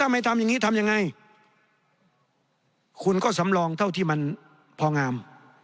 ไม่ทำอย่างนี้ทำยังไงคุณก็สำรองเท่าที่มันพองาม